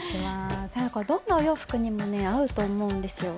どんなお洋服にもね合うと思うんですよ。